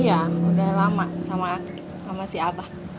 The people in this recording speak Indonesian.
iya udah lama sama si abah